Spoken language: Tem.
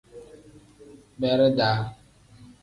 Beredaa.